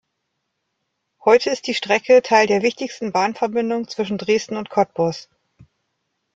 Heute ist die Strecke Teil der wichtigsten Bahnverbindung zwischen Dresden und Cottbus.